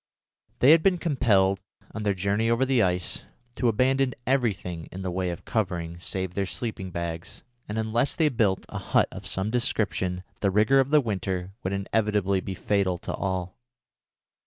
They had been compelled, on their journey over the ice, to abandon everything in the way of covering save their sleeping bags, and unless they built a hut of some description the rigour of the winter would inevitably be fatal to all.